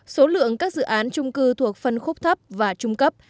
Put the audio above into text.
số lượng các dự án trung cư thuộc phân khúc thấp và trung cấp